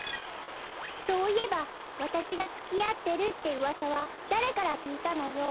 そういえばわたしがつきあってるってうわさはだれからきいたのよ？